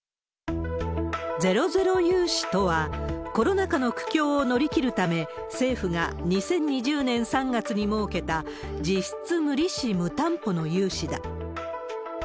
ゼロゼロ融資とは、コロナ禍の苦境を乗り切るため、政府が２０２０年３月に設けた、実質無利子・無担保の融資だ。